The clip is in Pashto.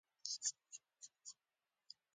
هر شی په ښه طرز وړاندې کړه.